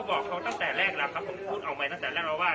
บอกเขาตั้งแต่แรกแล้วครับผมพูดออกไปตั้งแต่แรกแล้วว่า